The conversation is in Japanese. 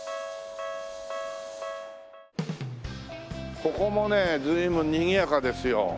ここもね随分にぎやかですよ。